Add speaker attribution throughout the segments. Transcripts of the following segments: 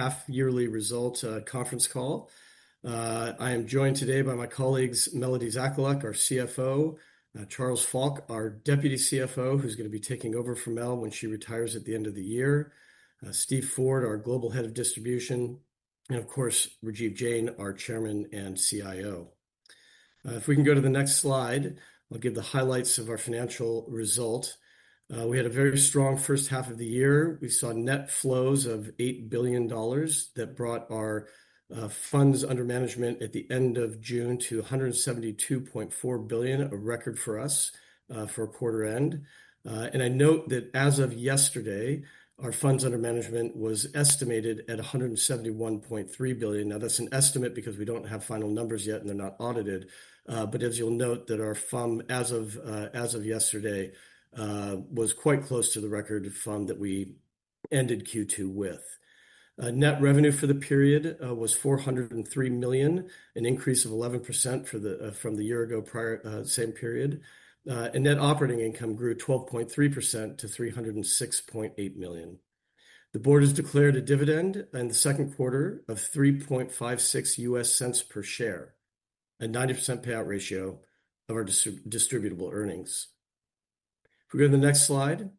Speaker 1: Half yearly result conference call. I am joined today by my colleagues, Melodie Zakaluk, our CFO, Charles Falck, our Deputy CFO who's going to be taking over for Mel when she retires at the end of the year, Steve Ford, our Global Head of Distribution, and of course Rajiv Jain, our Chairman and CIO. If we can go to the next slide, I'll give the highlights of our financial result. We had a very strong first half of the year. We saw net flows of $8 billion that brought our funds under management at the end of June to $172.4 billion, a record for us for quarter end. I note that as of yesterday our funds under management was estimated at $171.3 billion. Now that's an estimate because we don't have final numbers yet and they're not audited. As you'll note, our FUM as of yesterday was quite close to the record FUM that we ended Q2 with. Net revenue for the period was $403 million, an increase of 11% from the year ago prior same period, and net operating income grew 12.3% to $306.8 million. The board has declared a dividend in the second quarter of $3.56 per share, a 90% payout ratio of our distributable earnings. If we go to the next slide.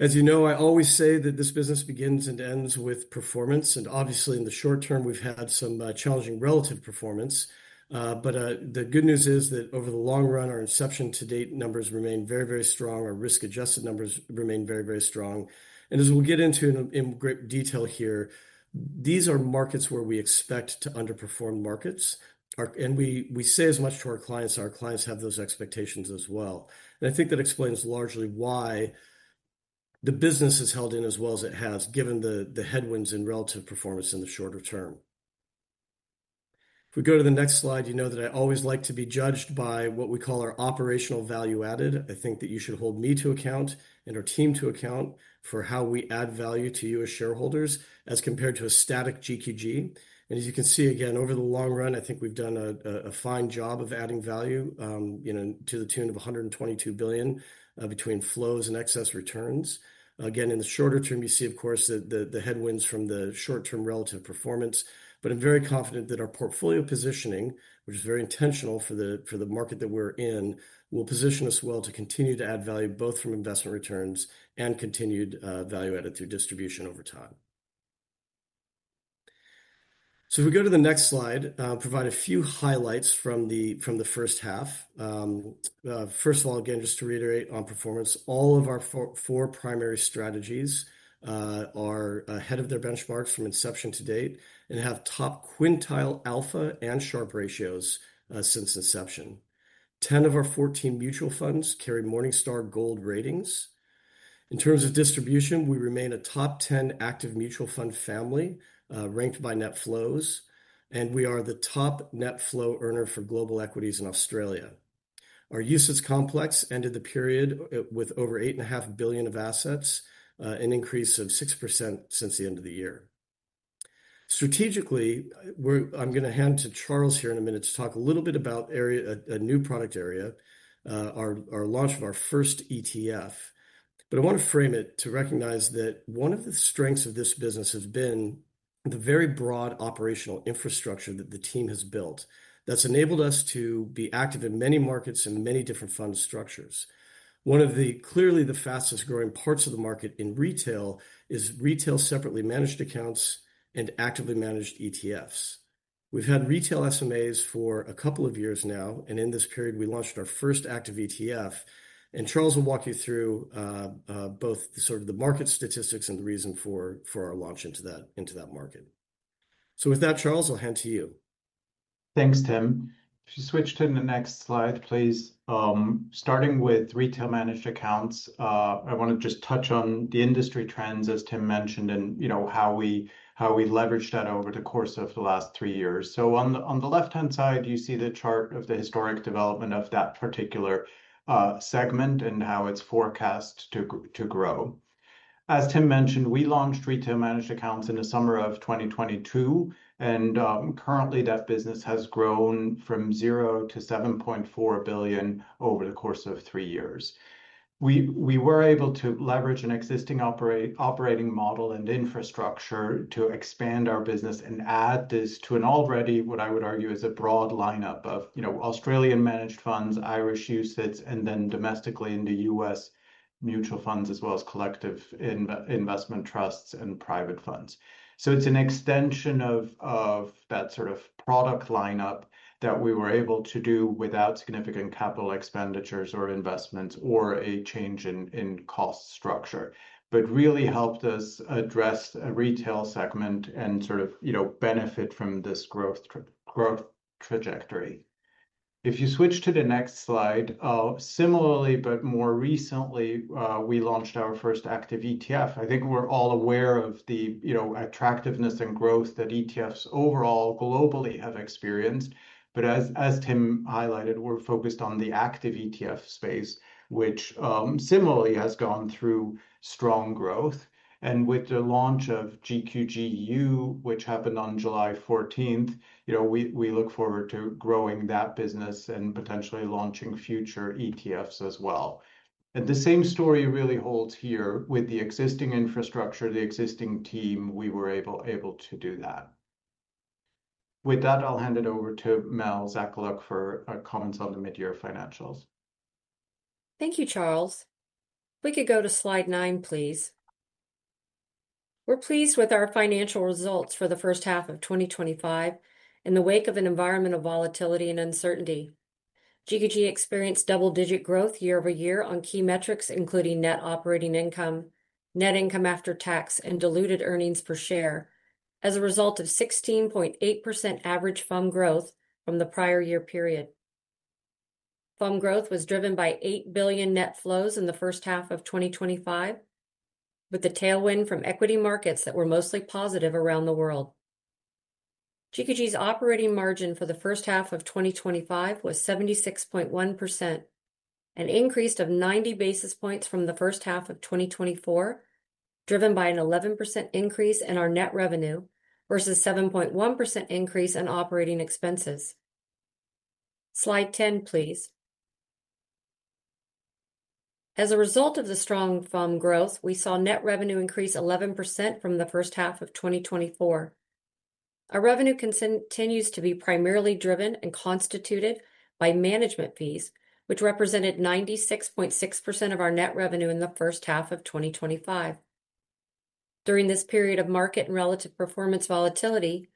Speaker 1: As you know, I always say that this business begins and ends with performance. Obviously in the short term we've had some challenging relative performance. The good news is that over the long run, our inception to date numbers remain very, very strong. Our risk adjusted numbers remain very, very strong. As we'll get into in great detail here, these are markets where we expect to underperform markets. We say as much to our clients. Our clients have those expectations as well. I think that explains largely why the business has held in as well as it has given the headwinds in relative performance in the shorter term. If we go to the next slide, you know that I always like to be judged by what we call our operational value added. I think that you should hold me to account and our team to account for how we add value to you as shareholders as compared to a static GQG. As you can see, again, over the long run, I think we've done a fine job of adding value to the tune of $122 billion between flows and excess returns. Again, in the shorter term, you see of course the headwinds from the short term relative performance. I'm very confident that our portfolio positioning, which is very intentional for the market that we're in, will position us well to continue to add value both from investment returns and continued value added through distribution over time. If we go to the next slide, I'll provide a few highlights from the first half. First of all, again, just to reiterate on performance, all of our four primary strategies are ahead of their benchmarks from inception to date and have top quintile alpha and Sharpe ratios since inception. 10 of our 14 mutual funds carry Morningstar Gold ratings. In terms of distribution, we remain a top 10 active mutual fund family ranked by net flows and we are the top net flow earner for global equities in Australia. Our UCITS complex ended the period with over $8.5 billion of assets, an increase of 6% since the end of the year. Strategically, I'm going to hand to Charles here in a minute to talk a little bit about a new product area, our launch of our first ETF. I want to frame it to recognize that one of the strengths of this business has been the very broad operational infrastructure that the team has built that's enabled us to be active in many markets and many different fund structures. Clearly, the fastest growing parts of the market in retail are retail separately managed accounts and actively managed ETFs. We've had retail SMAs for a couple of years now and in this period we launched our first active ETF. Charles will walk you through both the market statistics and the reason for our launch into that market. With that, Charles, I'll hand to you.
Speaker 2: Thanks Tim. If you switch to the next slide please. Starting with retail managed accounts, I want to just touch on the industry trends as Tim mentioned and how we leverage that over the course of the last three years. On the left hand side you see the chart of the historic development of that particular segment and how it's forecast to grow. As Tim mentioned, we launched retail managed accounts in the summer of 2022 and currently that business has grown from $0 to $7.4 billion over the course of three years. We were able to leverage an existing operating model and infrastructure to expand our business and add this to what I would argue is a broad lineup of Australian managed funds, Irish UCITS, and then domestically in the U.S. mutual funds as well as collective investment trusts and private funds. It's an extension of that sort of product lineup that we were able to do without significant capital expenditures or investments or a change in cost structure, but really helped us address a retail segment and benefit from this growth trajectory. If you switch to the next slide. Similarly, but more recently we launched our first active ETF. I think we're all aware of the attractiveness and growth that ETFs overall globally have experienced. As Tim highlighted, we're focused on the active ETF space which similarly has gone through strong growth. With the launch of GQGU which happened on July 14, we look forward to growing that business and potentially launching future ETFs as well. The same story really holds here with the existing infrastructure, the existing team, we were able to do that. With that, I'll hand it over to Melodie Zakaluk for comments on the mid year financials.
Speaker 3: Thank you Charles. If we could go to slide 9 please, we're pleased with our financial results for the first half of 2025, and in the wake of an environment of volatility and uncertainty, GQG experienced double-digit growth year over year on key metrics including net operating income, net income after tax, and diluted earnings per share. As a result of 16.8% average FUM growth from the prior year period, FUM growth was driven by $8 billion net flows in the first half of 2025 with the tailwind from equity markets that were mostly positive around the world. GQG's operating margin for the first half of 2025 was 76.1%, an increase of 90 basis points from the first half of 2024, driven by an 11% increase in our net revenue versus a 7.1% increase in operating expenses. Slide 10 please. As a result of the strong growth, we saw net revenue increase 11% from the first half of 2024. Our revenue continues to be primarily driven and constituted by management fees, which represented 96.6% of our net revenue in the first half of 2025. During this period of market and relative performance volatility,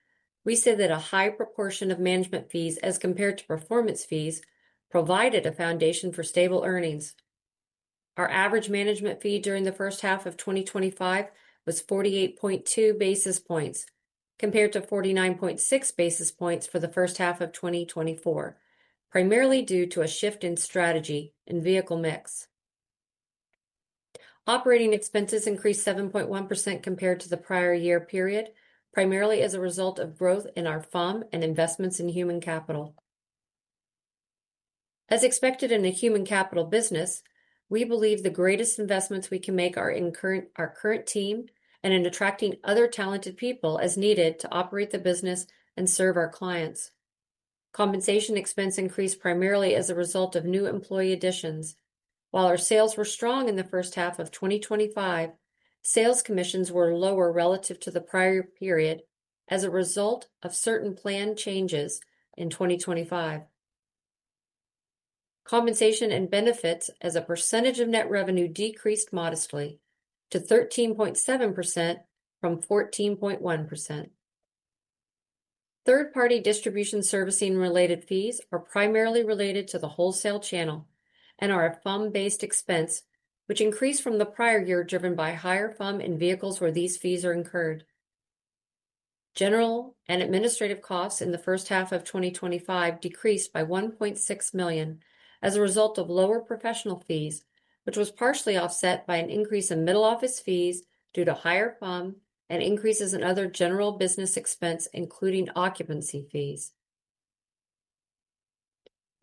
Speaker 3: we said that a high proportion of management fees as compared to performance fees provided a foundation for stable earnings. Our average management fee during the first half of 2025 was 48.2 basis points compared to 49.6 basis points for the first half of 2024, primarily due to a shift in strategy and vehicle mix. Operating expenses increased 7.1% compared to the prior year period, primarily as a result of growth in our FUM and investments in human capital. As expected in a human capital business, we believe the greatest investments we can make are in our current team and in attracting other talented people as needed to operate the business and serve our clients. Compensation expense increased primarily as a result of new employee additions. While our sales were strong in the first half of 2025, sales commissions were lower relative to the prior period as a result of certain plan changes in 2025. Compensation and benefits as a percentage of net revenue decreased modestly to 13.7% from 14.1%. Third-party distribution servicing related fees are primarily related to the wholesale channel and are a FUM-based expense, which increased from the prior year driven by higher FUM in vehicles where these fees are incurred. General and administrative costs in the first half of 2025 decreased by $1.6 million as a result of lower professional fees, which was partially offset by an increase in middle office fees due to higher FUM and increases in other general business expense including occupancy fees.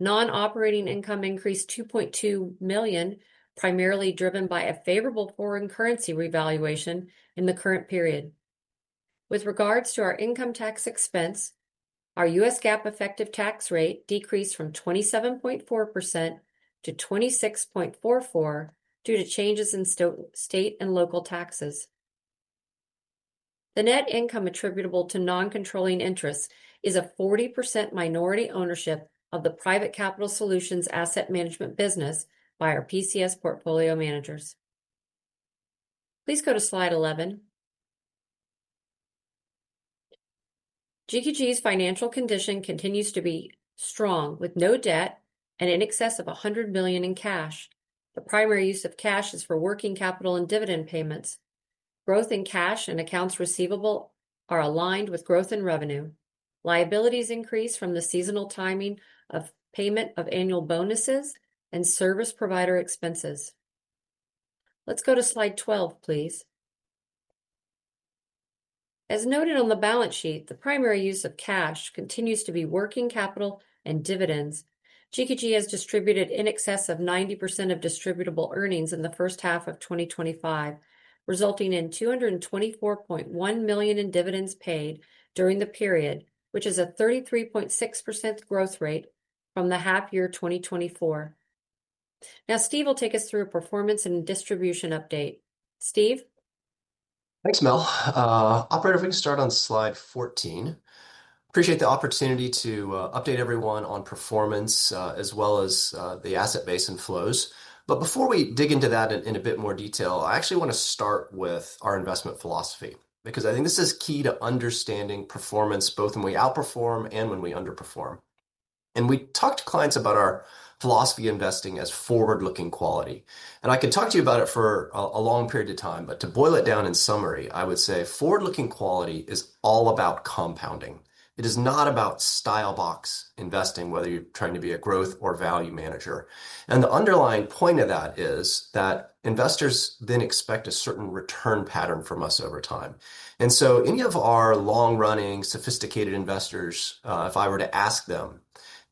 Speaker 3: Non operating income increased $2.2 million, primarily driven by a favorable foreign currency revaluation in the current period. With regards to our income tax expense, our U.S. GAAP effective tax rate decreased from 27.4% to 26.44% due to changes in state and local taxes. The net income attributable to non controlling interests is a 40% minority ownership of the private capital solutions asset management business by our PCs portfolio managers. Please go to slide 11. GQG Partners Inc.'s financial condition continues to be strong with no debt and in excess of $100 million in cash. The primary use of cash is for working capital and dividend payments. Growth in cash and accounts receivable are aligned with growth in revenue. Liabilities increase from the seasonal timing of payment of annual bonuses and service provider expenses. Let's go to slide 12 please. As noted on the balance sheet, the primary use of cash continues to be working capital and dividends. GQG Partners Inc. has distributed in excess of 90% of distributable earnings in the first half of 2025, resulting in $224.1 million in dividends paid during the period, which is a 33.6% growth rate from the half year 2024. Now Steve will take us through a performance and distribution update. Steve.
Speaker 4: Thanks Mel. Operator, if we can start on slide 14. Appreciate the opportunity to update everyone on performance as well as the asset base and flows. Before we dig into that in a bit more detail, I actually want to start with our investment philosophy because I think this is key to understanding performance both when we outperform and when we underperform. We talk to clients about our philosophy. Investing as forward looking quality, and I could talk to you about it for a long period of time. To boil it down in summary, I would say forward looking quality is all about compounding. It is not about style box investing, whether you're trying to be a growth or value manager. The underlying point of that is that investors then expect a certain return pattern from us over time. Any of our long running sophisticated investors, if I were to ask them,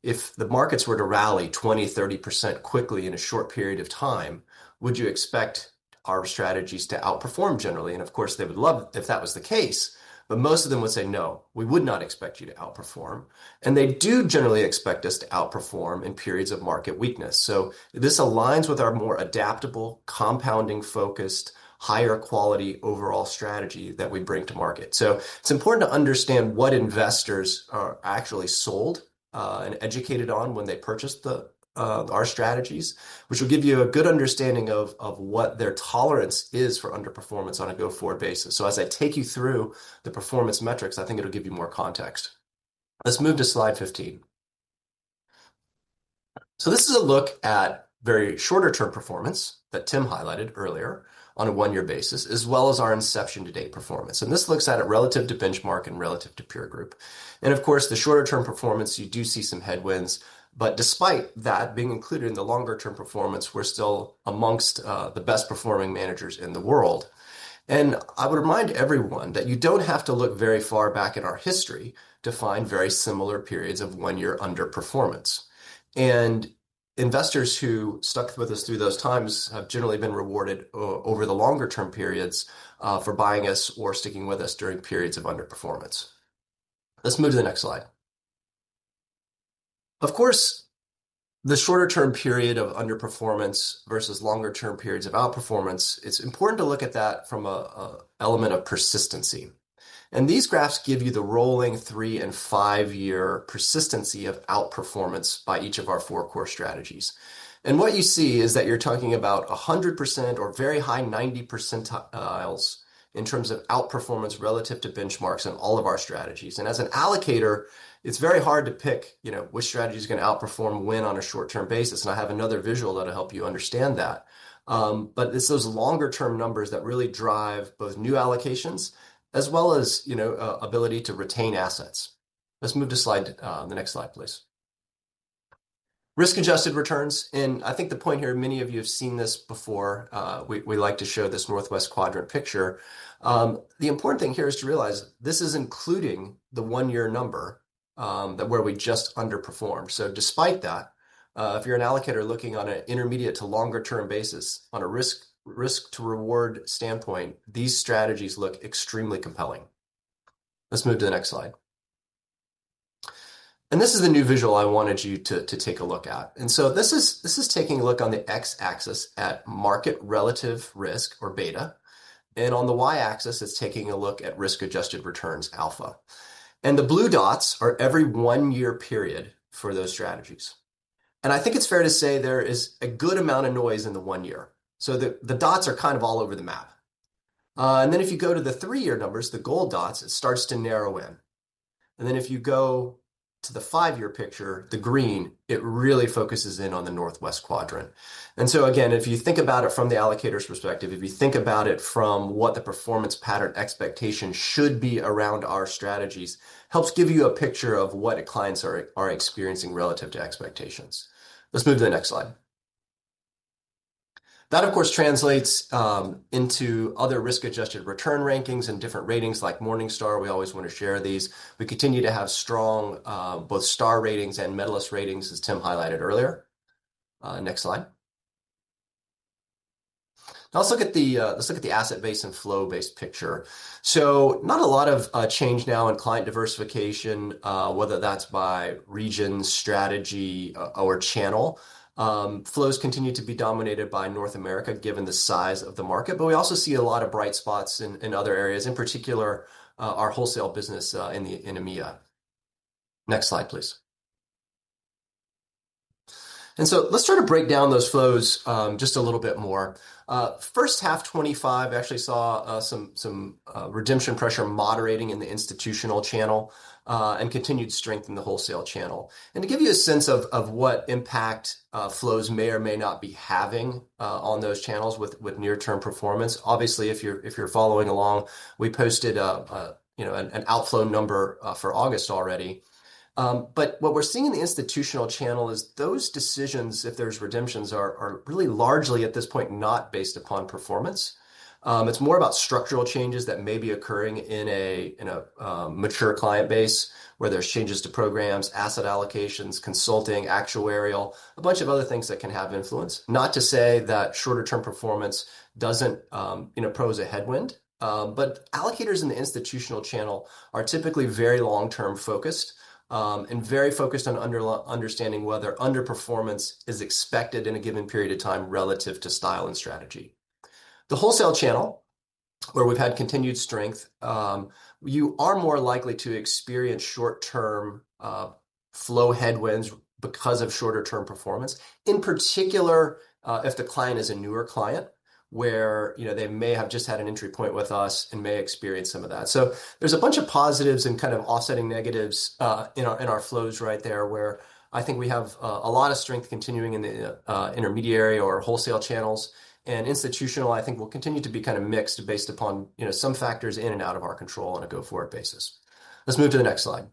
Speaker 4: if the markets were to rally 20%, 30% quickly in a short period of time, would you expect our strategies to outperform generally? Of course they would love if that was the case, but most of them would say no, we would not expect you to outperform. They do generally expect us to outperform in periods of market weakness. This aligns with our more adaptable, compounding, focused, higher quality overall strategy that we bring to market. It is important to understand what investors are actually sold and educated on when they purchase our strategies, which will give you a good understanding of what their tolerance is for underperformance on a go forward basis. As I take you through the performance metrics, I think it'll give you more context. Let's move to slide 15. This is a look at very shorter term performance that Tim highlighted earlier on a one year basis as well as our inception to date performance. This looks at it relative to benchmark and relative to peer group. The shorter term performance, you do see some headwinds, but despite that being included in the longer term performance, we're still amongst the best performing managers in the world. I would remind everyone that you don't have to look very far back at our history to find very similar periods of one year underperformance. Investors who stuck with us through those times have generally been rewarded over the longer term periods for buying us or sticking with us during periods of underperformance. Let's move to the next slide. Of course, the shorter term period of underperformance versus longer term periods of outperformance. It's important to look at that from an element of persistency. These graphs give you the rolling three and five year persistency of outperformance by each of our four core strategies. What you see is that you're talking about 100% or very high 90% percentiles in terms of outperformance relative to benchmarks in all of our strategies. As an allocator, it's very hard to pick, you know which strategy is going to outperform when on a short term basis. I have another visual that'll help you understand that. It's those longer term numbers that really drive both new allocations as well as, you know, ability to retain assets. Let's move to the next slide please. Risk adjusted returns. I think the point here, many of you have seen this before, we like to show this northwest quadrant picture. The important thing here is to realize this is including the one year number where we just underperformed. Despite that, if you're an allocator looking on an intermediate to longer term basis on a risk, risk to reward standpoint, these strategies look extremely compelling. Let's move to the next slide. This is a new visual I wanted you to take a look at. This is taking a look on the X axis at market relative risk or beta. On the Y axis it's taking a look at risk adjusted returns, alpha, and the blue dots are every one year period for those strategies. I think it's fair to say there is a good amount of noise in the one year, so the dots are kind of all over the map. If you go to the three year numbers, the gold dots, it starts to narrow in. If you go to the five year picture, the green, it really focuses in on the northwest quadrant. Again, if you think about it from the allocator's perspective, if you think about it from what the performance pattern expectations should be around, our strategies help give you a picture of what clients are experiencing relative to expectations. Let's move to the next slide. That of course translates into other risk adjusted return rankings and different ratings like Morningstar. We always want to share these. We continue to have strong both star ratings and medalist ratings as Tim highlighted earlier. Next slide. Now let's look at the asset base and flow based picture. Not a lot of change now in client diversification, whether that's by region, strategy, or channel. Flows continue to be dominated by North America given the size of the market. We also see a lot of bright spots in other areas, in particular our wholesale business in EMEA. Next slide please. Let's try to break down those flows just a little bit more. First half 2025 actually saw some redemption pressure moderating in the institutional channel and continued strength in the wholesale channel. To give you a sense of what impact flows may or may not be having on those channels with near term performance, obviously if you're following along, we posted an outflow number for August already. What we're seeing in the institutional channel is those decisions, if there's redemptions, are really largely at this point not based upon performance. It's more about structural changes that may be occurring in a mature client base where there's changes to programs, asset allocations, consulting, actuarial, a bunch of other things that can have influence. Not to say that shorter term performance doesn't pose a headwind, but allocators in the institutional channel are typically very long term focused and very focused on understanding whether underperformance is expected in a given period of time relative to style and strategy. The wholesale channel, where we've had continued strength, you are more likely to experience short term flow headwinds because of shorter term performance, in particular if the client is a newer client where they may have just had an entry point with us and may experience some of that. There's a bunch of positives and kind of offsetting negatives in our flows right there where I think we have a lot of strength continuing in the intermediary or wholesale channels. Institutional I think will continue to be kind of mixed based upon some factors in and out of our control on a go forward basis. Let's move to the next slide.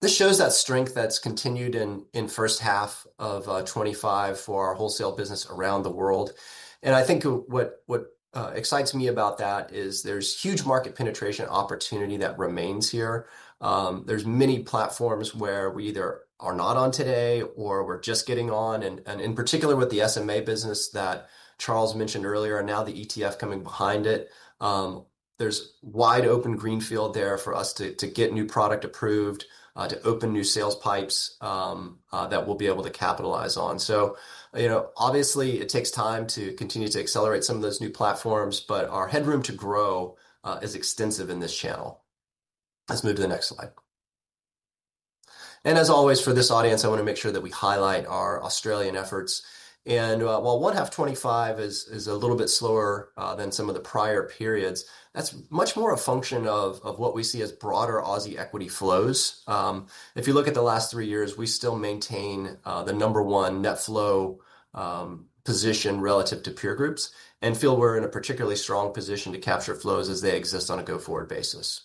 Speaker 4: This shows that strength that's continued in first half of 2025 for our wholesale business around the world. What excites me about that is there's huge market penetration opportunity that remains here. There are many platforms where we either are not on today or we're just getting on. In particular with the SMA business that Charles mentioned earlier and now the ETF coming behind it, there's wide open greenfield there for us to get new product approved, to open new sales pipes that we'll be able to capitalize on. Obviously it takes time to continue to accelerate some of those new platforms, but our headroom to grow is extensive in this channel. Let's move to the next slide. As always for this audience, I want to make sure that we highlight our Australian efforts. While H1 2025 is a little bit slower than some of the prior periods, that's much more a function of what we see as broader Aussie equity flows. If you look at the last three years, we still maintain the number one net flow position relative to peer groups and feel we're in a particularly strong position to capture flows as they exist on a go forward basis.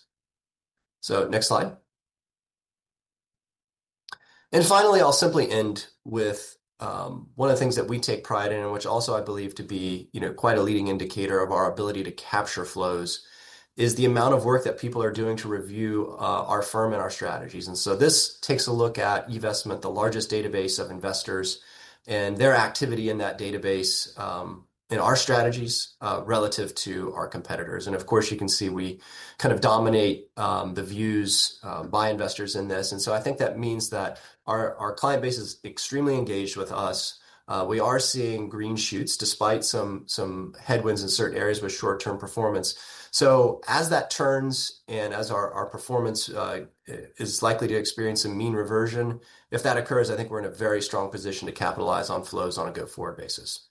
Speaker 4: Next slide. Finally, I'll simply end with one of the things that we take pride in, which also I believe to be quite a leading indicator of our ability to capture flows and is the amount of work that people are doing to review our firm and our strategies. This takes a look at eVestment, the largest database of investors and their activity in that database in our strategies relative to our competitors. Of course you can see we kind of dominate the views by investors in this. I think that means that our client base is extremely engaged with us. We are seeing green shoots despite some headwinds in certain areas with short term performance. As that turns and as our performance is likely to experience a mean reversion if that occurs, I think we're in a very strong position to capitalize on flows on a go forward basis.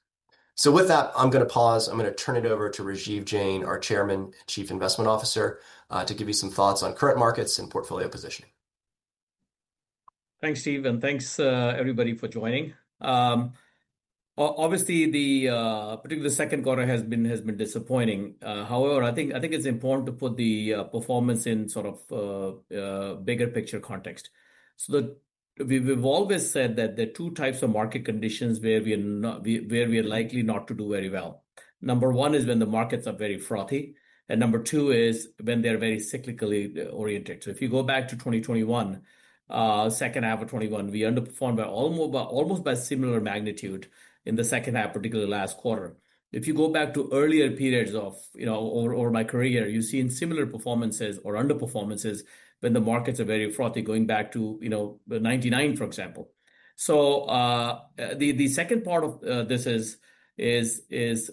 Speaker 4: With that I'm going to pause, I'm going to turn it over to Rajiv Jain, our Chairman and Chief Investment Officer, to give you some thoughts on current markets and portfolio positioning.
Speaker 5: Thanks, Steve, and thanks everybody for joining. Obviously, particularly the second quarter has been disappointing. However, I think it's important to put the performance in sort of bigger picture context. We've always said that there are two types of market conditions where we are likely not to do very well. Number one is when the markets are very frothy, and number two is when they're very cyclically oriented. If you go back to 2021, second half of 2021, we underperformed almost by similar magnitude in the second half, particularly last quarter. If you go back to earlier periods of my career, you've seen similar performances or underperformances when the markets are very frothy, going back to 1999, for example. The second part of this is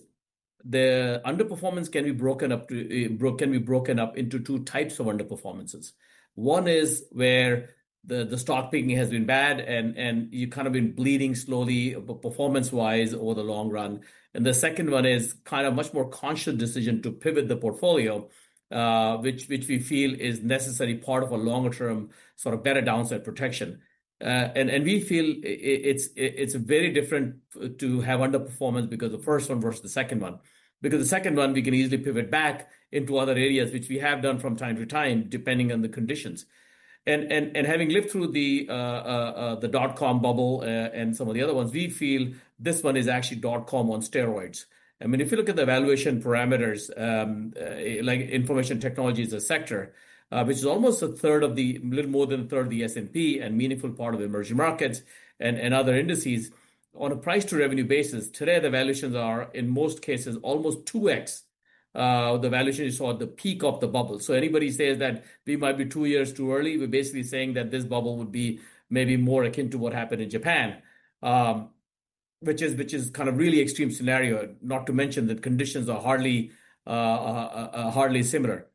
Speaker 5: the underperformance can be broken up into two types of underperformances. One is where the stock picking has been bad and you've kind of been bleeding slowly performance wise over the long run. The second one is kind of much more conscious decision to pivot the portfolio, which we feel is necessary part of a longer term sort of better downside protection. We feel it's very different to have underperformance because the first one versus the second one, because the second one we can easily pivot back into other areas, which we have done from time to time depending on the conditions. Having lived through the dot com bubble and some of the other ones, we feel this one is actually dot com on steroids. If you look at the valuation parameters, like information technology as a sector, which is almost a third of, a little more than a third of the S&P, and meaningful part of emerging markets and other indices, on a price to revenue basis today the valuations are in most cases almost 2x the valuation you saw at the peak of the bubble. Anybody says that we might be two years too early, we're basically saying that this bubble would be maybe more akin to what happened in Japan. Which is kind of really extreme scenario, not to mention that conditions are hardly similar.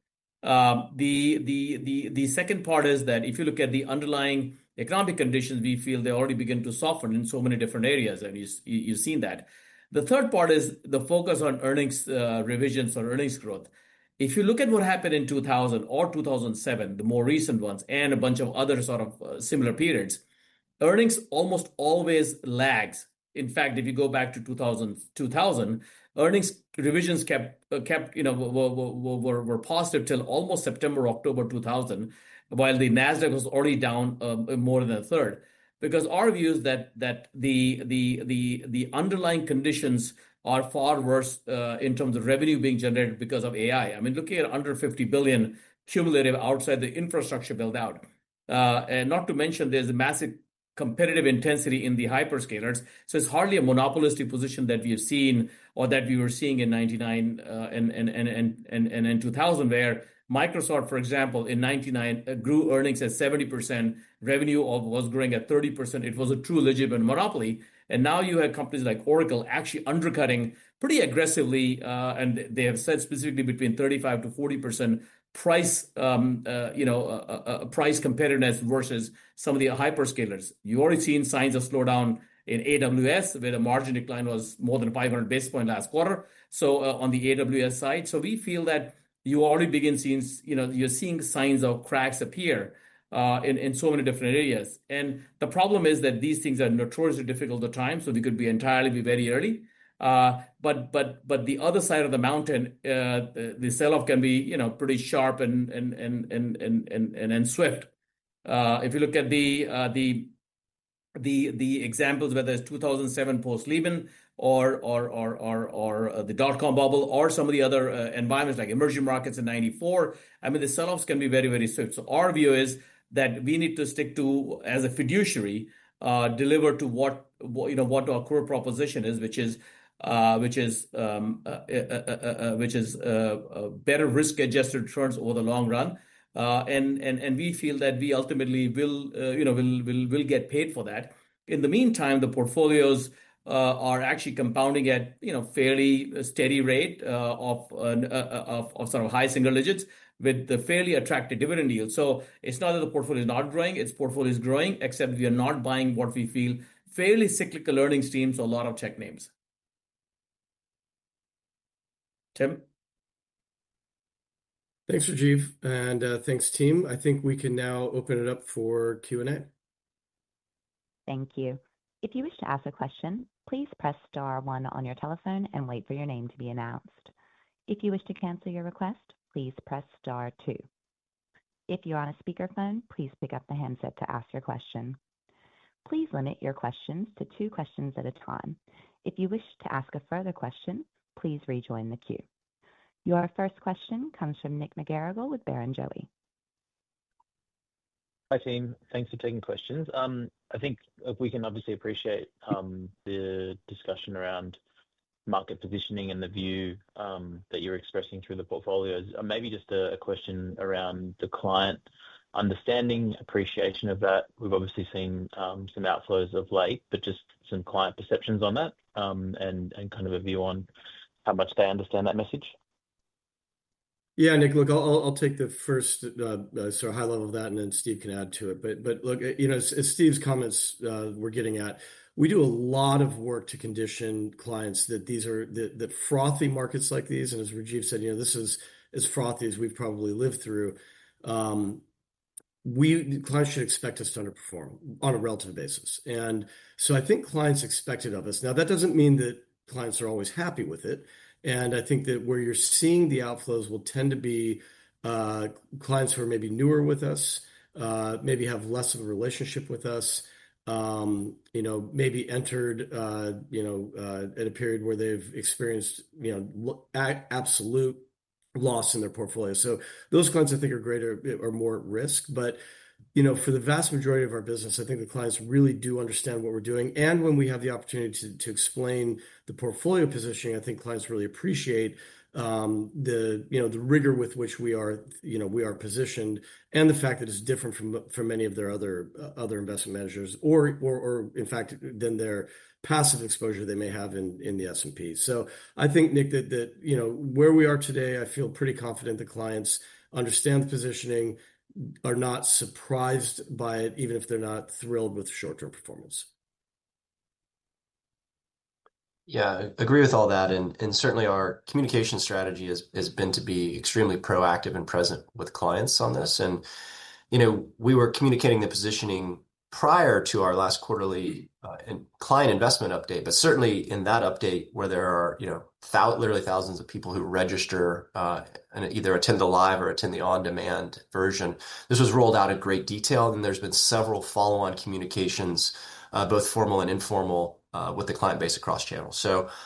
Speaker 5: The second part is that if you look at the underlying economic conditions, we feel they already begin to soften in so many different areas. You've seen that. The third part is the focus on earnings revisions or earnings growth. If you look at what happened in 2000 or 2007, the more recent ones, and a bunch of other sort of similar periods, earnings almost always lags. In fact, if you go back to 2000, earnings revisions were positive till almost September or October 2000 while the Nasdaq was already down more than a third. Our view is that the underlying conditions are far worse in terms of revenue being generated because of AI. I mean, looking at under $50 billion cumulative outside the infrastructure build out, and not to mention there's a massive competitive intensity in the hyperscalers. It's hardly a monopolistic position that we have seen or that we were seeing in 1999 and in 2000, where Microsoft, for example, in 1999 grew earnings at 70%, revenue was growing at 30%. It was a true legitimate monopoly. Now you had companies like Oracle actually undercutting pretty aggressively, and they have said specifically between 35%-40% price, you know, price competitiveness versus some of the hyperscalers. You've already seen signs of slowdown in AWS, where the margin decline was more than 500 basis points last quarter on the AWS side. We feel that you already begin seeing, you know, you're seeing signs of cracks appear in so many different areas. The problem is that these things are notoriously difficult at times. They could be entirely be very early. The other side of the mountain, the sell off can be pretty sharp and swift. If you look at the examples, whether it's 2007 post-Lehman or the dot com bubble or some of the other environments like emerging markets in 1994, the sell offs can be very strict. Our view is that we need to stick to, as a fiduciary, deliver to what our core proposition is, which is better risk-adjusted returns over the long run. We feel that we ultimately will get paid for that. In the meantime, the portfolios are actually compounding at fairly steady rate of sort of high single digits with the fairly attractive dividend yield. It's not that the portfolio is not growing, its portfolio is growing, except we are not buying what we feel fairly cyclical learning schemes, a lot of check names. Tim.
Speaker 1: Thanks, Rajiv. Thanks, team. I think we can now open it up for Q&A.
Speaker 6: Thank you. If you wish to ask a question, please press star one on your telephone and wait for your name to be announced. If you wish to cancel your request, please press star two. If you're on a speakerphone, please pick up the handset to ask your question. Please limit your questions to two questions at a time. If you wish to ask a further question, please rejoin the queue. Your first question comes from Nick McGarrigle with Barrenjoey.
Speaker 7: Hi team. Thanks for taking questions. I think we can obviously appreciate the discussion around market positioning and the view that you're expressing through the portfolios. Maybe just a question around the client understanding, appreciation of that. We've obviously seen some outflows of late, just some client perceptions on that and kind of a view on how much they understand that message.
Speaker 1: Yeah, Nick, look, I'll take the first sort of high level of that and then Steve can add to it. As Steve's comments were getting at, we do a lot of work to condition clients that these are the frothy markets like these. As Rajiv said, this is as frothy as we've probably lived through. Clients should expect us to underperform on a relative basis. I think clients expected of us. That doesn't mean that clients are always happy with it. I think that where you're seeing the outflows will tend to be clients who are maybe newer with us, maybe have less of a relationship with us, maybe entered at a period where they've experienced absolute loss in their portfolio. Those clients I think are greater or more risk. For the vast majority of our business, I think the clients really do understand what we're doing and when we have the opportunity to explain the portfolio positioning, I think clients really appreciate the rigor with which we are positioned and the fact that it's different from many of their other investment measures or in fact than their passive exposure they may have in the S&P. I think, Nick, that where we are today, I feel pretty confident the clients understand the positioning, are not surprised by it, even if they're not thrilled with short term performance.
Speaker 4: Yeah, I agree with all that. Our communication strategy has been to be extremely proactive and present with clients on this. We were communicating the positioning prior to our last quarterly client investment update. In that update, where there are literally thousands of people who register and either attend the live or attend the on demand version, this was rolled out in great detail. There have been several follow on communications, both formal and informal, with the client base across channel.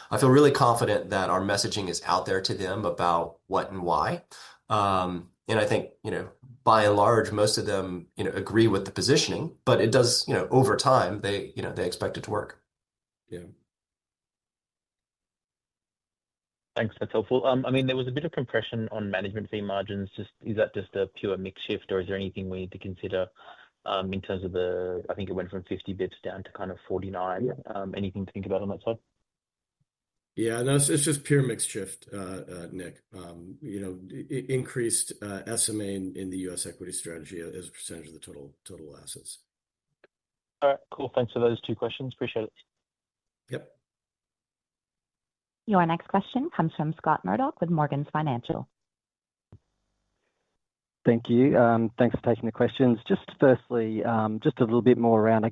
Speaker 4: I feel really confident that our messaging is out there to them about what and why. I think, by and large, most of them agree with the positioning, but over time they expect it to work.
Speaker 7: Yeah, thanks, that's helpful. I mean, there was a bit of compression on management fee margins. Is that just a pure mix shift or is there anything we need to consider in terms of that? I think it went from 50 basis points down to kind of 49. Anything to think about on that side?
Speaker 1: Yeah, no, it's just pure mix shift, Nick. You know, increased SMAs in the U.S. equity strategy as a percentage of the total, total assets.
Speaker 7: All right, cool. Thanks for those two questions. Appreciate it.
Speaker 1: Yep.
Speaker 6: Your next question comes from Scott Murdoch with Morgan's Financial.
Speaker 8: Thank you. Thanks for taking the questions. Firstly, a little bit more around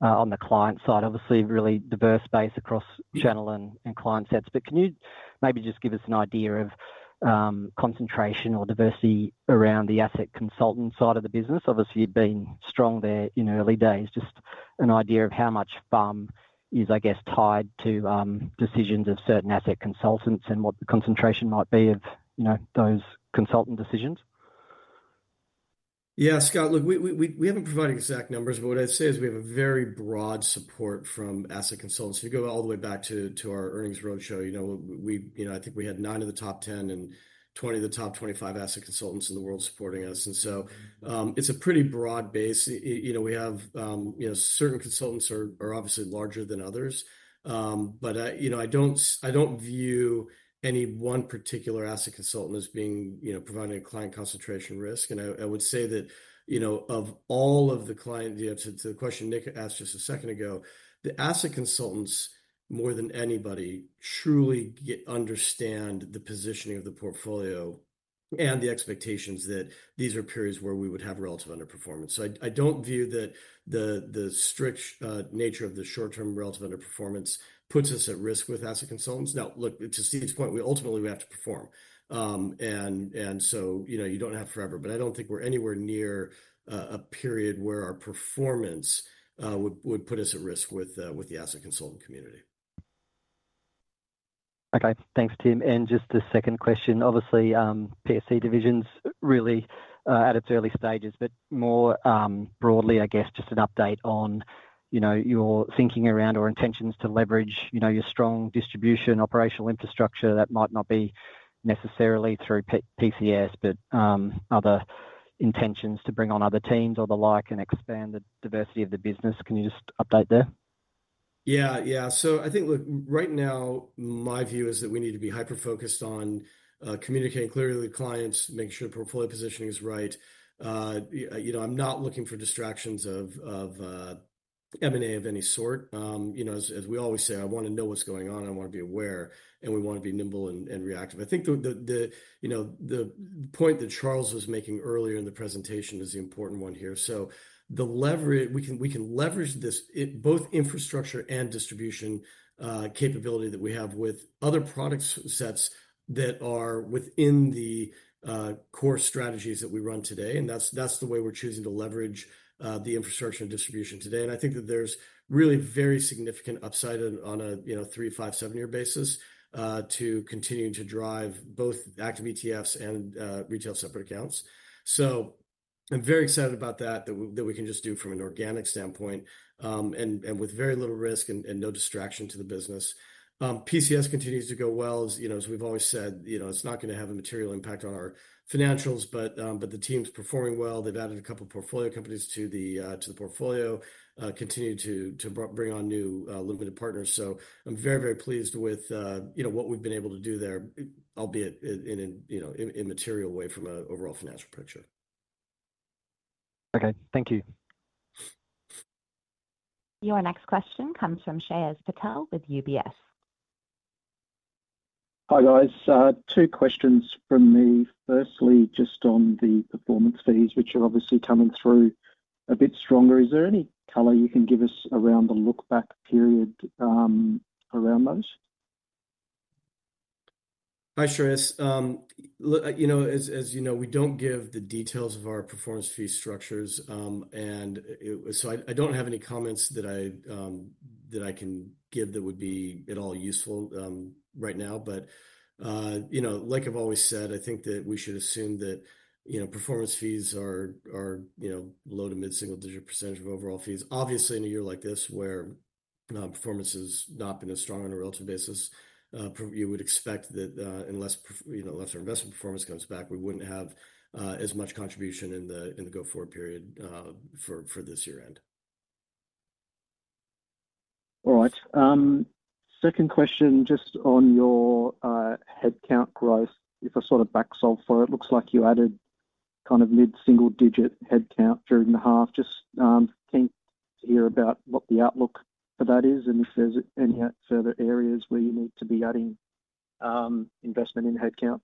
Speaker 8: the client side, obviously really diverse space across channel and client sets. Can you maybe just give us an idea of concentration or diversity around the asset consultant side of the business? Obviously you've been strong there in early days. Just an idea of how much FUM is tied to decisions of certain asset consultants and what the concentration might be of those consultant decisions.
Speaker 1: Yeah, Scott, look, we haven't provided exact numbers, but what I'd say is we have very broad support from asset consultants. If you go all the way back to our earnings roadshow, I think we had nine of the top 10 and 20 of the top 25 asset consultants in the world supporting us. It's a pretty broad base. We have certain consultants who are obviously larger than others. I don't view any one particular asset consultant as being, you know, providing a client concentration risk. I would say that, of all of the clients, the question Nick asked just a second ago, the asset consultants more than anybody truly understand the positioning of the portfolio and the expectations that these are periods where we would have relative underperformance. I don't view that the strict nature of the short-term relative underperformance puts us at risk with asset consultants. Now look, to Steve's point, we ultimately have to perform and you don't have forever, but I don't think we're anywhere near a period where our performance would put us at risk with the asset consultant community.
Speaker 8: Okay, thanks Tim. Just the second question. Obviously, PSC division's really at its early stages, but more broadly, I guess just an update on your thinking around or intentions to leverage your strong distribution operational infrastructure that might not be necessarily through PSCs, but other intentions to bring on other teams or the like and expand the diversity of the business. Can you just update there?
Speaker 1: Yeah, yeah. I think, look, right now my view is that we need to be hyper focused on communicating clearly to clients, make sure the portfolio positioning is right. I'm not looking for distractions of M&A of any sort. As we always say, I want to know what's going on, I want to be aware and we want to be nimble and reactive. I think the point that Charles was making earlier in the presentation is the important one here. We can leverage this both infrastructure and distribution capability that we have with other product sets that are within the core strategies that we run today. That's the way we're choosing to leverage the infrastructure and distribution today. I think that there's really very significant upside on a three, five, seven year basis to continuing to drive both active ETFs and retail separately managed accounts. I'm very excited about that, that we can just do from an organic standpoint and with very little risk and no distraction to the business. PCs continues to go well. As you know, as we've always said, it's not going to have a material impact on our financials, but the team's performing well. They've added a couple portfolio companies to the portfolio, continue to bring on new limited partners. I'm very, very pleased with what we've been able to do there, albeit in an immaterial way from an overall financial picture.
Speaker 8: Okay, thank you.
Speaker 6: Your next question comes from Shreyaz Patel with UBS.
Speaker 9: Hi guys, two questions from me. Firstly, just on the performance fees which are obviously coming through a bit stronger, is there any color you can give us around the look back period around those?
Speaker 1: It sure is. You know, as you know, we don't give the details of our performance fee structures and so I don't have any comments that I can give that would be at all useful right now. You know, like I've always said, I think that we should assume that, you know, performance fees are, you know, low to mid single digit % of overall fees. Obviously in a year like this where performance has not been as strong on a relative basis, you would expect that unless our investment performance comes back, we wouldn't have as much contribution in the go forward period for this year end.
Speaker 9: All right, second question. Just on your headcount growth. If I sort of back solve for it, it looks like you added kind of mid single digit headcount during the half. Just keen to hear about what the outlook for that is and if there's any further areas where you need to be adding investment in headcount.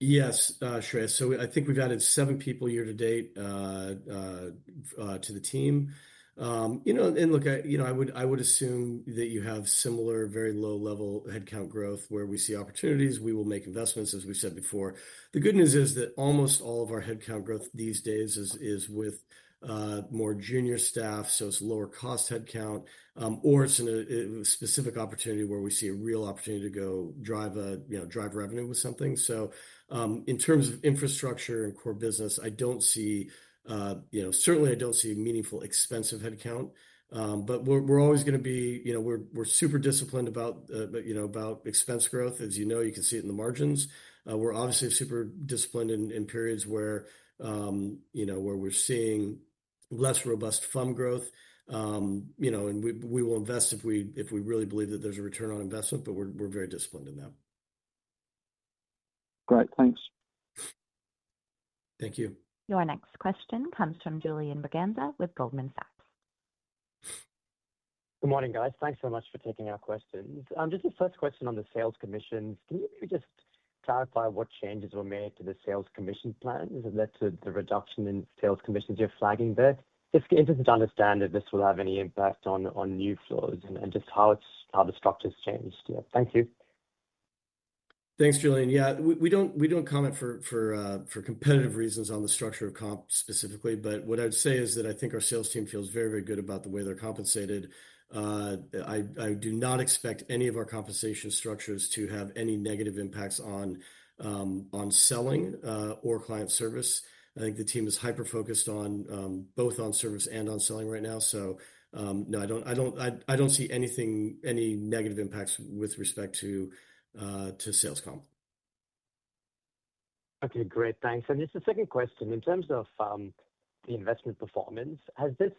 Speaker 1: Yes, Shreya. I think we've added seven people year to date to the team, you know, and I would assume that you have similar very low level headcount growth. Where we see opportunities, we will make investments. As we said before, the good news is that almost all of our headcount growth these days is with more junior staff. It's lower cost headcount or it's in a specific opportunity where we see a real opportunity to go drive revenue with something. In terms of infrastructure and core business, I don't see, you know, certainly I don't see meaningful expensive headcount. We're always going to be, you know, we're super disciplined about expense growth as you know, you can see it in the margins. We're obviously super disciplined in periods where we're seeing less robust fund growth, you know, and we will invest if we really believe that there's a return on investment. We're very disciplined in that.
Speaker 9: Great, thanks.
Speaker 1: Thank you.
Speaker 6: Your next question comes from Julian Braganza with Goldman Sachs.
Speaker 10: Good morning, guys. Thanks so much for taking our questions. Just your first question on the sales commissions. Can you maybe just clarify what changes were made to the sales commission plan? Has it led to the reduction in sales commissions? You're flagging that. If you can, understand that this will have any impact on new flows and just how the structure's changed. Thank you.
Speaker 1: Thanks, Julian. Yeah, we don't comment for competitive reasons on the structure of comp specifically. What I'd say is that I think our sales team feels very, very good about the way they're compensated. I do not expect any of our compensation structures to have any negative impacts on selling or client service. I think the team is hyper focused on both service and selling right now. No, I don't see anything, any negative impacts with respect to sales comp.
Speaker 10: Okay, great, thanks. The second question, in terms of the investment performance, has this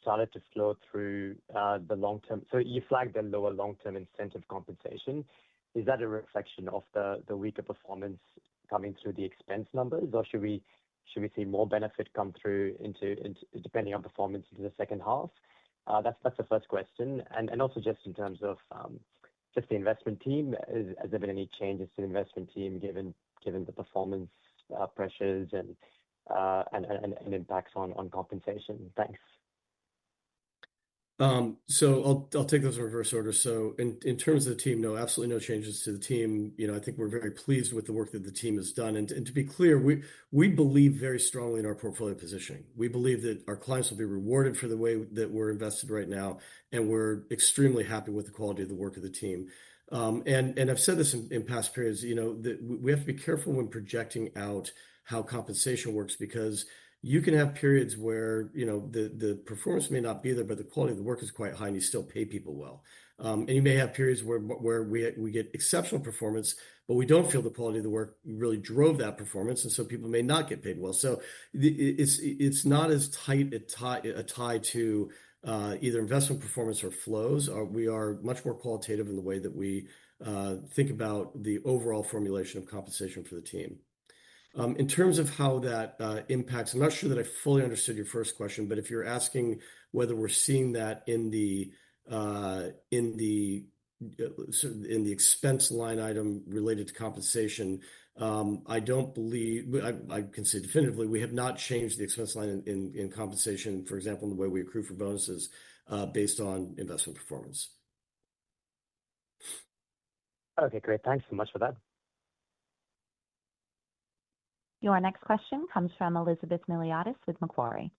Speaker 10: started to flow through the long term? You flagged a lower long term incentive compensation. Is that a reflection of the weaker performance coming through the expense numbers or should we see more benefit come through depending on performance in the second half? That's the first question. Also, just in terms of the investment team, has there been any changes to the investment team given the performance pressures and impacts on compensation? Thanks.
Speaker 1: I'll take those in reverse order. In terms of the team, no, absolutely no changes to the team. I think we're very pleased with the work that the team has done and to be clear, we believe very strongly in our portfolio positioning. We believe that our clients will be rewarded for the way that we're invested right now. We're extremely happy with the quality of the work of the team. I've said this in past periods, you know that we have to be careful when projecting out how compensation works because you can have periods where the performance may not be there, but the quality of the work is quite high and you still pay people well. You may have periods where we get exceptional performance, but we don't feel the quality of the work really drove that performance and so people may not get paid well. It's not as tight a tie to either investment performance or flows. We are much more qualitative in the way that we think about the overall formulation of compensation for the team in terms of how that impacts. I'm not sure that I fully understood your first question, but if you're asking whether we're seeing that in the expense line item related to compensation, I don't believe I can say definitively. We have not changed the expense line in compensation, for example, in the way we accrue for bonuses based on investment performance.
Speaker 10: Okay, great. Thanks so much for that.
Speaker 6: Your next question comes from Elizabeth Miliatis with Macquarie.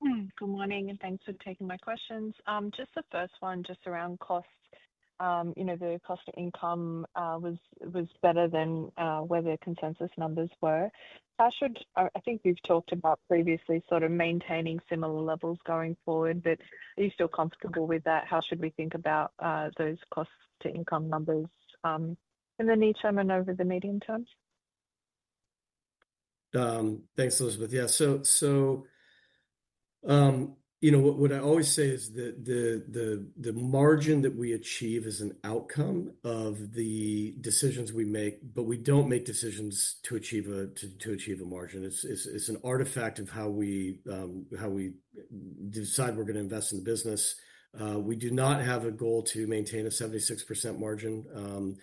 Speaker 11: Good morning and thanks for taking my questions. Just the first one, just around cost, you know, the cost to income was better than where the consensus numbers were. How should I think we've talked about previously sort of maintaining similar levels going forward, but are you still comfortable with that? How should we think about those cost to income number in the new and over the medium terms?
Speaker 1: Thanks, Elizabeth. What I always say is that the margin that we achieve is an outcome of the decisions we make. We don't make decisions to achieve a margin. It's an artifact of how we decide we're going to invest in business. We do not have a goal to maintain a 76% margin.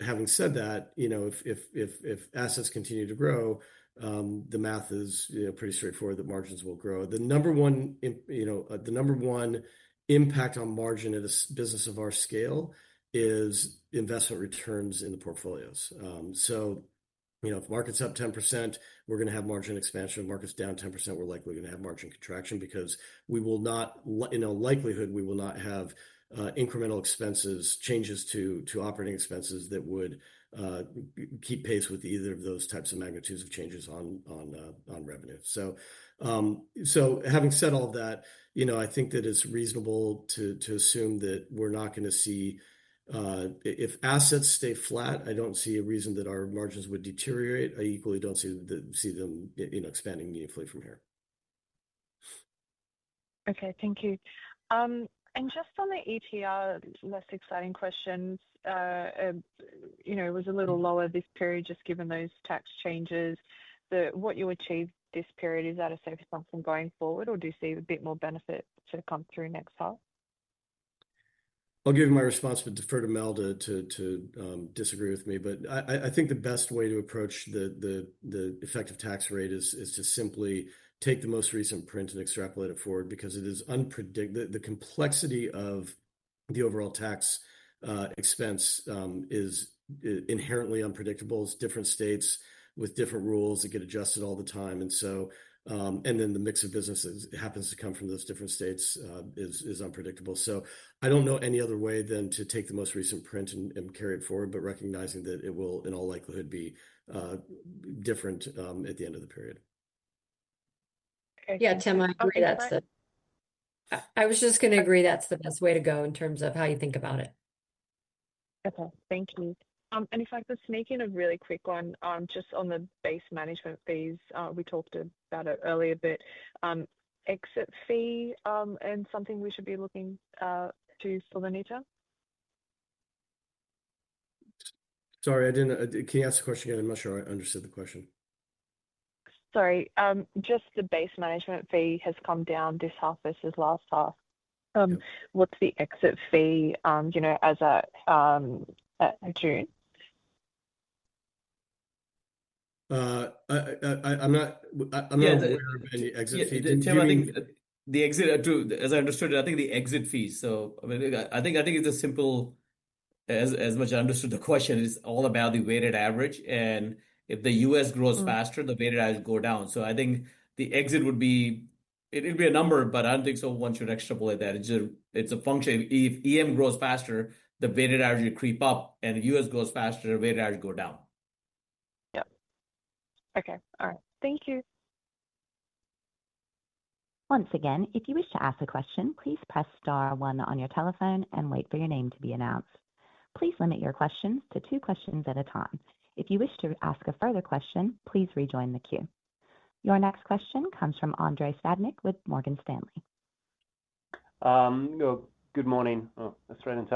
Speaker 1: Having said that, if assets continue to grow, the math is pretty straightforward that margins will grow. The number one impact on margin at a business of our scale is investment returns in the portfolios. If market's up 10%, we're going to have margin expansion. If markets down 10%, we're likely going to have margin contraction because we will not, in all likelihood, have incremental expenses, changes to operating expenses that would keep pace with either of those types of magnitudes of changes on revenue. Having said all that, I think that it's reasonable to assume that we're not going to see, if assets stay flat, I don't see a reason that our margins would deteriorate. I equally don't see them expanding meaningfully from here.
Speaker 11: Okay, thank you. Just on the ETR, less exciting questions, you know, was a little lower this period just given those tax changes. What you achieved this period, is that a safe bump from going forward or do you see a bit more benefit to come through next half?
Speaker 1: I'll give my response, but defer to Mel to disagree with me. I think the best way to approach the effective tax rate is to simply take the most recent print and extrapolate it forward because it is unpredictable. The complexity of the overall tax expense is inherently unpredictable. Different states with different rules that get adjusted all the time. The mix of businesses happens to come from those different states is unpredictable. I don't know any other way than to take the most recent print and carry it forward, but recognizing that it will in all likelihood be different at the end of the period.
Speaker 3: Yeah, Tim, I agree. That's the best way to go in terms of how you think about it.
Speaker 11: Thank you. If I can sneak in a really quick one just on the base management fees, we talked about it earlier, but exit fee and something we should be looking to for the nature.
Speaker 1: Sorry, I didn't. Can you ask the question again? I'm not sure I understood the question.
Speaker 11: Sorry, just the base management fee has come down this half versus last half. What's the exit fee, you know, as of June?
Speaker 1: I'm not aware of any exit.
Speaker 5: Tim I think the exit, as I understood it, I think the exit fee. I think it's as simple, as much as I understood the question, it's all about the weighted average. If the U.S. grows faster, the weighted average goes down. I think the exit would be, it would be a number, but I don't think one should extrapolate that it's a function. If EM grows faster, the weighted average will creep up, and if the U.S. goes faster, the weighted average goes down.
Speaker 11: Yep. Okay. All right. Thank you.
Speaker 6: Once again, if you wish to ask a question, please press star one on your telephone and wait for your name to be announced. Please limit your questions to two questions at a time. If you wish to ask a further question, please rejoin the queue. Your next question comes from Andrei Stadnik with Morgan Stanley.
Speaker 12: Good morning. That's right.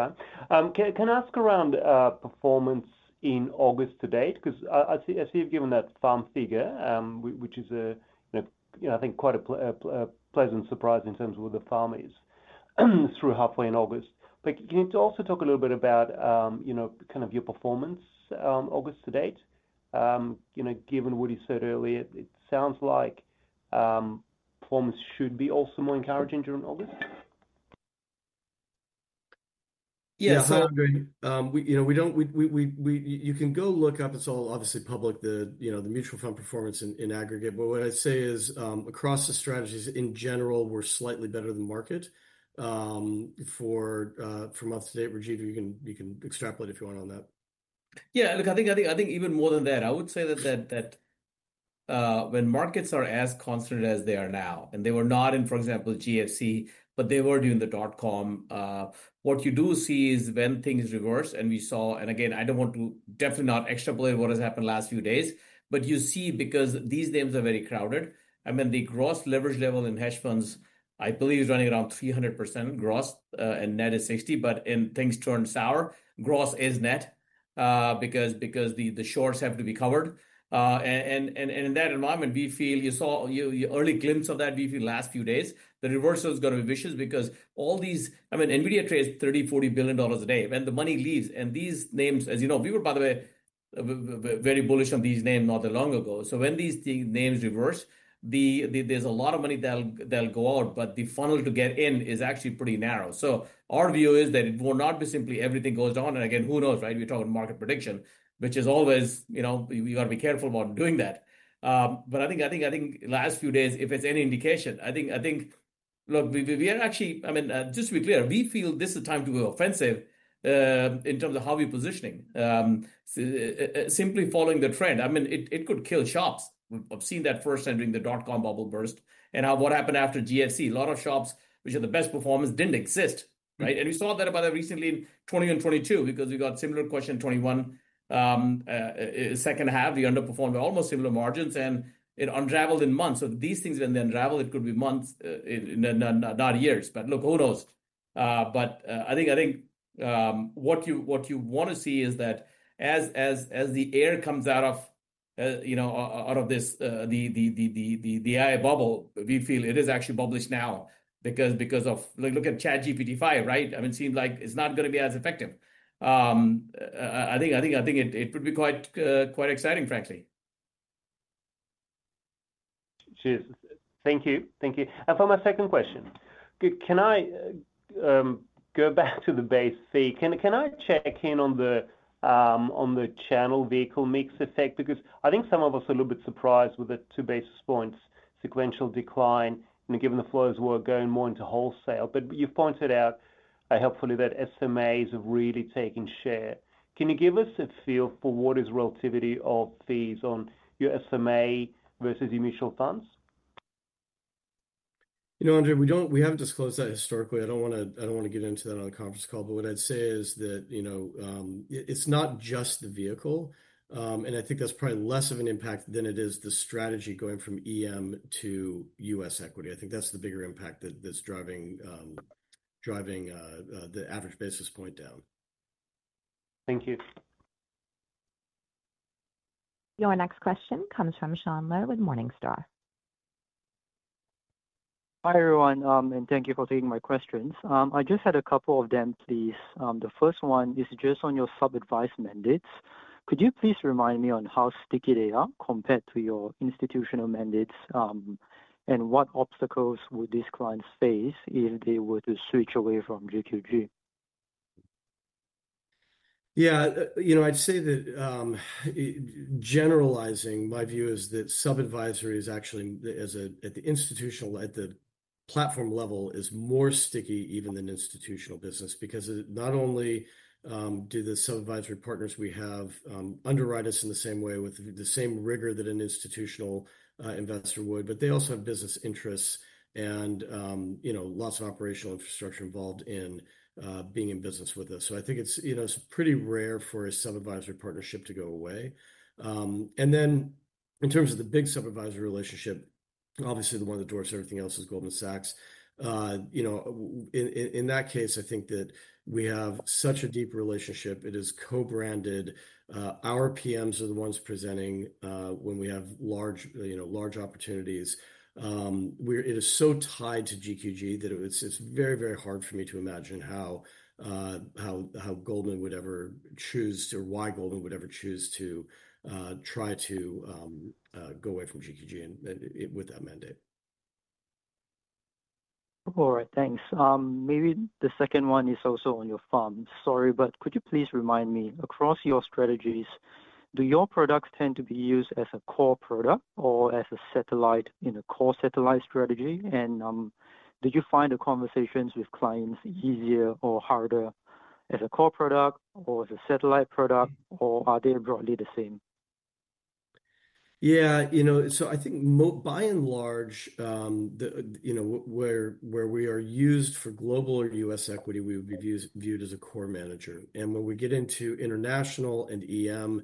Speaker 12: Can I ask around performance in August to date? I see you've given that FUM figure, which is, I think, quite a pleasant surprise in terms of where the FUM is through halfway in August. Can you also talk a little bit about your performance, performance August to date? Given what you said earlier, it sounds like performance should be also more encouraging during August.
Speaker 1: Yes. You know, we don't, you can go look up. It's all obviously public, the mutual fund performance in aggregate. What I'd say is across the strategies in general, we're slightly better than market for months to date. Rajiv, you can extrapolate if you want on that.
Speaker 5: Yeah, look, I think even more than that, I would say that when markets are as constant as they are now, and they were not in, for example, GFC, but they were during the dot com, what you do see is when things reverse and we saw, and again, I don't want to definitely not extrapolate what has happened last few days, but you see, because these names are very crowded. I mean, the gross leverage level in hedge funds I believe is running around 300% gross and net is 60%. When things turn sour, gross is net because the shorts have to be covered. In that environment, we feel you saw an early glimpse of that. We feel last few days the reversal is going to be vicious because all these, I mean, Nvidia trades $30 billion, $40 billion a day when the money leaves. These names, as you know, we were, by the way, very bullish on these names not that long ago. When these names reverse, there's a lot of money that'll go out, but the funnel to get in is actually pretty narrow. Our view is that it will not be simply everything goes down. Who knows, right? We talk about market prediction, which is always, you know, we gotta be careful about doing that. I think last few days, if it's any indication, look, we are actually, I mean, just to be clear, we feel this is the time to go offensive in terms of how we're positioning, simply following the trend. I mean, it could kill shops. I've seen that first time during the dot com bubble burst and what happened after GFC, a lot of shops which had the best performance didn't exist. We saw that recently in 2020 and 2022 because we got similar question 2021 second half, we underperformed almost similar margins and it unraveled in months. These things, when they unravel, it could be months, not years. Who knows. I think what you want to see is that as the air comes out of the, you know, out of this, the AI bubble, we feel it is actually bubbles now because of, look at ChatGPT-5. Right. I mean, seems like it's not going to be as effective. I think it would be quite exciting, frankly.
Speaker 12: Thank you. Thank you. For my second question, can I go back to the base C? Can I check in on the channel vehicle mix effect? I think some of us are a little bit surprised with the two basis points sequential decline given the flows were going more into wholesale. You've pointed out hopefully that SMAs are really taking share. Can you give us a feel for what is relativity of fees on your SMA versus your mutual funds?
Speaker 1: You know, Andre, we haven't disclosed that historically. I don't want to get into that on a conference call. What I'd say is that it's not just the vehicle, and I think that's probably less of an impact than it is the strategy going from EM to U.S. Equity. I think that's the bigger impact that's driving the average basis point down.
Speaker 12: Thank you.
Speaker 6: Your next question comes from Sean Lowe with Morningstar.
Speaker 13: Hi everyone and thank you for taking my questions. I just had a couple of them. The first one is just on your sub advice mandates. Could you please remind me on how sticky they are compared to your institutional mandates? What obstacles would these clients face if they were to switch away from GQG Partners?
Speaker 1: Yeah, you know, I'd say that generalizing my view is that sub advisory is actually, at the institutional, at the platform level, more sticky even than institutional business because not only do the sub advisory partners we have underwrite us in the same way with the same rigor that an institutional investor would, but they also have business interests and lots of operational infrastructure involved in being in business with us. I think it's pretty rare for a sub advisory partnership to go away. In terms of the big sub advisory relationship, obviously the one that dwarfs everything else is Goldman Sachs. In that case, I think that we have such a deep relationship, it is co-branded. Our PMs are the ones presenting when we have large, you know, large opportunities. It is so tied to GQG Partners Inc. that it's very, very hard for me to imagine how Goldman would ever choose or why Goldman would ever choose to try to go away from GQG Partners Inc. with that mandate.
Speaker 13: All right, thanks. Maybe the second one is also on your firm. Sorry, but could you please remind me across your strategies, do your products tend to be used as a core product or as a satellite in a core satellite strategy? Did you find the conversations with clients easier or harder as a core product or as a satellite product, or are they broadly the same?
Speaker 1: Yeah, you know, I think by and large, where we are used for global or U.S. equity, we would be viewed as a core manager. When we get into international and EM,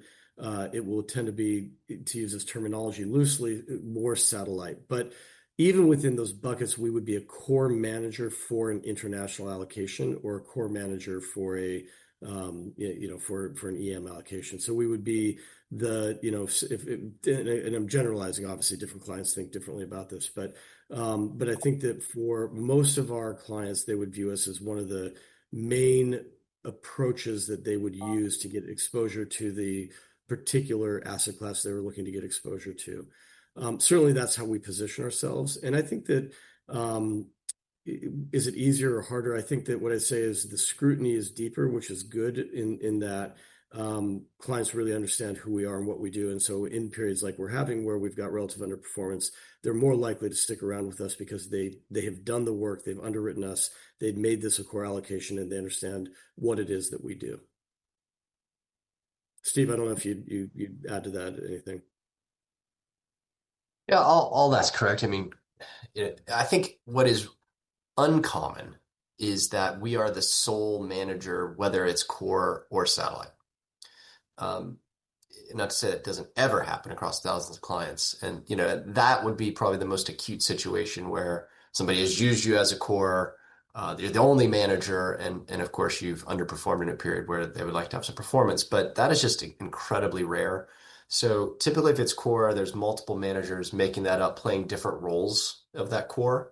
Speaker 1: it will tend to be, to use this terminology loosely, more satellite. Even within those buckets, we would be a core manager for an international allocation or a core manager for an EM allocation. I am generalizing, obviously different clients think differently about this. I think that for most of our clients, they would view us as one of the main approaches that they would use to get exposure to the particular asset class they were looking to get exposure to. Certainly, that's how we position ourselves. Is it easier or harder? I think that what I say is the scrutiny is deeper, which is good in that clients really understand who we are and what we do. In periods like we're having where we've got relative underperformance, they're more likely to stick around with us because they have done the work, they've underwritten us, they've made this a core allocation and they understand what it is that we do. Steve, I don't know if you'd add to that anything.
Speaker 4: Yeah, all that's correct. I mean, I think what is uncommon is that we are the sole manager, whether it's core or satellite. Not to say it doesn't ever happen across thousands of clients. That would be probably the most acute situation where somebody has used you as a core. You're the only manager, and of course you've underperformed in a period where they would like to have some performance, but that is just incredibly rare. Typically, if it's core, there are multiple managers making that up, playing different roles of that core.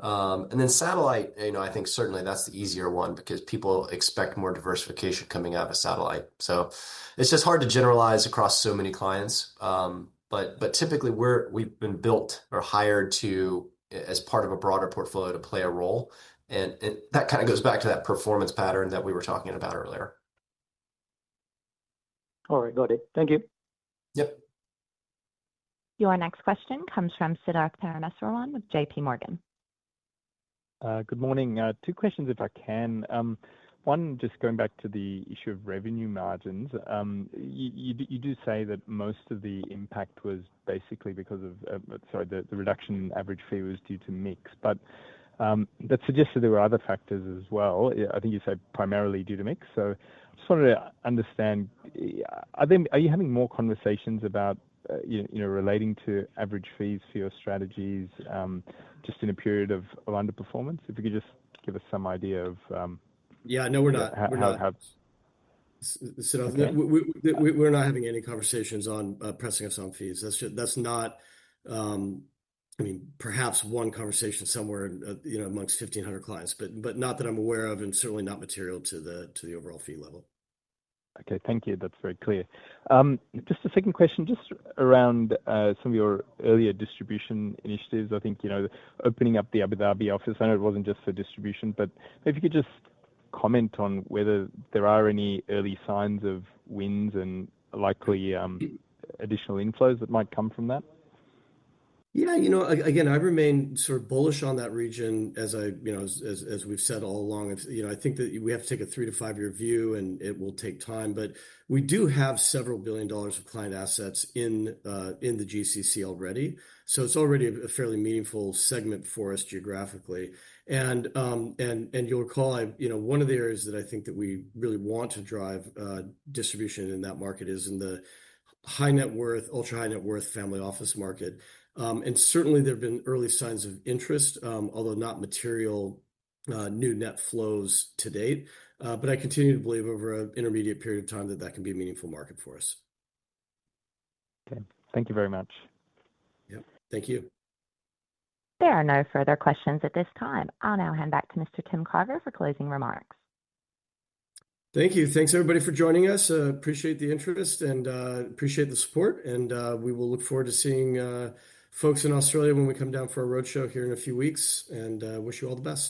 Speaker 4: Satellite is certainly the easier one because people expect more diversification coming out of satellite. It's just hard to generalize across so many clients. Typically, we've been built or hired as part of a broader portfolio to play a role, and that kind of goes back to that performance pattern that we were talking about earlier.
Speaker 13: All right, got it. Thank you. Yep.
Speaker 6: Your next question comes from Siddharth Parameswaran with J.P. Morgan.
Speaker 14: Good morning. Two questions if I can. One, just going back to the issue of revenue margins. You do say that most of the impact was basically because of, sorry, the reduction in average fee was due to mix, but that suggested there were other factors as well. I think you said primarily due to mix, sort of understanding. Are you having more conversations about, you know, relating to average fees for your strategies just in a period of underperformance? If you could just give us some idea of.
Speaker 1: Yeah, no, we're not having any conversations on pressing us on fees. That's just not, I mean, perhaps one conversation somewhere, you know, amongst 1,500 clients, but not that I'm aware of and certainly not material to the overall fee level.
Speaker 14: Okay, thank you, that's very clear. Just a second question, just around some of your earlier distribution initiatives. I think, you know, opening up the Abu Dhabi office, I know it wasn't just for distribution, but if you could just comment on whether there are any early signs of wins and likely additional inflows that might come from that.
Speaker 1: Yeah, you know, again, I remain sort of bullish on that region as we've said all along. I think that we have to take a three to five year view and it will take time, but we have several billion dollars of client assets in the GCC already. It's already a fairly meaningful segment for us geographically. You'll recall, one of the areas that I think that we really want to drive distribution in that market is in the high net worth, ultra high net worth family office market. There have been early signs of interest, although not material new net flows to date, but I continue to believe over an intermediate period of time, that that can be a meaningful market for us.
Speaker 14: Okay, thank you very much. Yep.
Speaker 1: Thank you.
Speaker 6: There are no further questions at this time. I'll now hand back to Mr. Tim Carver for closing remarks.
Speaker 1: Thank you. Thanks, everybody, for joining us. Appreciate the interest and appreciate the support. We will look forward to seeing folks in Australia when we come down for a road show here in a few weeks and wish you all the best.